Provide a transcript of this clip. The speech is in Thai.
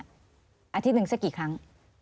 อาทิตย์หนึ่งสักกี่ครั้ง